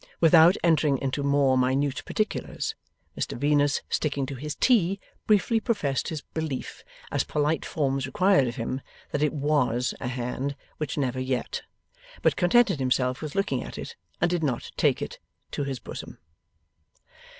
Without entering into more minute particulars. Mr Venus, sticking to his tea, briefly professed his belief as polite forms required of him, that it WAS a hand which never yet. But contented himself with looking at it, and did not take it to his bosom.